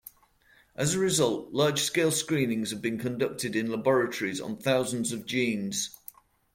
As a result, large-scale screenings have been conducted in laboratories on thousands of genes.